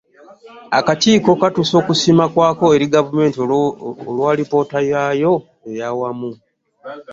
Akakiiko katuusa okusiima kwako eri Gavumenti olw’alipoota yaayo ey’awamu.